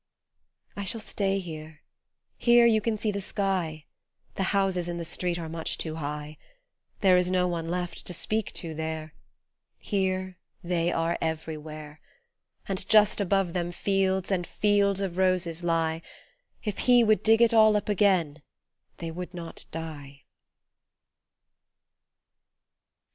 I shall stay here : here you can see the sky ; The houses in the streets are much too high ; There is no one left to speak to there ; Here they are everywhere, And just above them fields and fields of roses lie If he would dig it all up again they would not die.